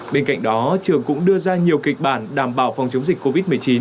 bên cạnh đó trường cũng đưa ra nhiều kịch bản đảm bảo phòng chống dịch covid một mươi chín